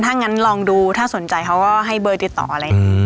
ถ้างั้นลองดูถ้าสนใจเขาก็ให้เบอร์ติดต่ออะไร